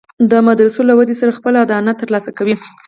د مدرسو له ودې سره خپله اډانه تر لاسه کوي.